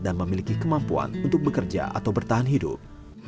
dan memiliki kemampuan untuk bekerja atau bertahan hidup